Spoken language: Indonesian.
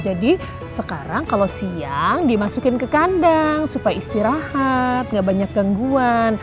jadi sekarang kalau siang dimasukin ke kandang supaya istirahat gak banyak gangguan